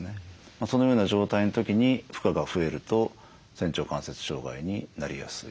そのような状態の時に負荷が増えると仙腸関節障害になりやすい。